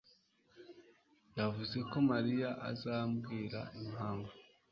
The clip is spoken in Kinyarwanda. yavuze ko Mariya azambwira impamvu.